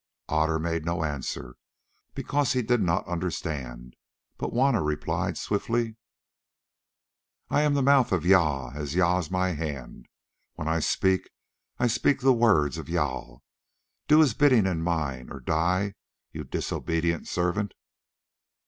Otter made no answer, because he did not understand; but Juanna replied swiftly: "I am the mouth of Jâl, as Jâl is my hand. When I speak I speak the words of Jâl. Do his bidding and mine, or die, you disobedient servant."